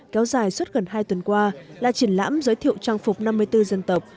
kéo dài suốt gần hai tuần qua là triển lãm giới thiệu trang phục năm mươi bốn dân tộc